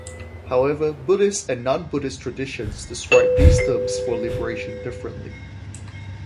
However, Buddhist and non-Buddhist traditions describe these terms for liberation differently.